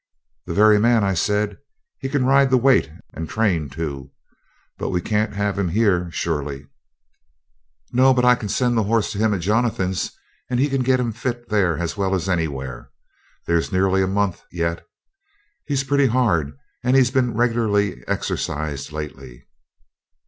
'The very man,' I said. 'He can ride the weight, and train too. But we can't have him here, surely!' 'No; but I can send the horse to him at Jonathan's, and he can get him fit there as well as anywhere. There's nearly a month yet; he's pretty hard, and he's been regularly exercised lately.'